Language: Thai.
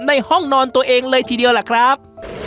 ในห้องนอนตัวเองเลยทีเดียวล่ะครับ